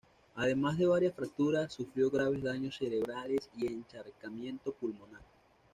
Además de varias fracturas, sufrió graves daños cerebrales y encharcamiento pulmonar.